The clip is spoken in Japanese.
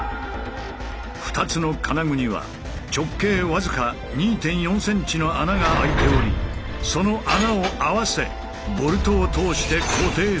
２つの金具には直径僅か２．４ｃｍの穴が開いておりその穴を合わせボルトを通して固定する。